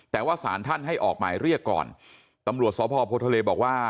แต่ว่าสารท่านให้ออกหมายเรียกก่อนตำรวจสพโพทะเลบอกว่า